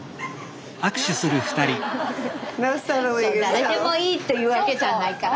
誰でもいいっていうわけじゃないから。